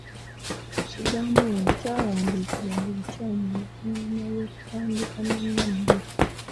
Ekigambo ‘wanno’ kyawandiikibwa mu bukyamu oluvannyuma lw’okuwandiika ‘n’ bbiri